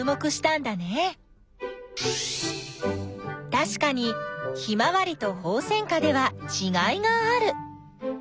たしかにヒマワリとホウセンカではちがいがある。